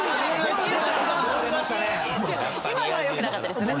今のは良くなかったですよね。